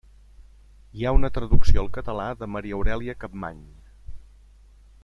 Hi ha una traducció al català de Maria Aurèlia Capmany.